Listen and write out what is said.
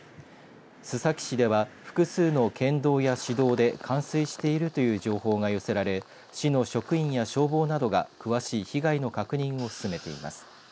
須崎市では複数の県道や市道で冠水しているという情報が寄せられ市の職員や消防などが詳しい被害の確認を進めています。